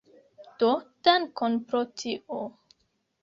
Do dankon pro tio